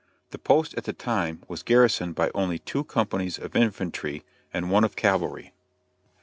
The post at the time was garrisoned by only two companies of infantry and one of cavalry.